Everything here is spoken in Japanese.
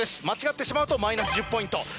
間違ってしまうとマイナス１０ポイント。